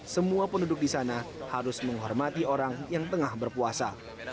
semua penduduk di sana harus menghormati orang yang tengah berpuasa